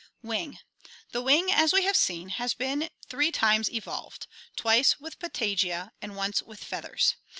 Wing. — The wing, as we have seen, has been three times evolved, twice with patagia and once with feathers.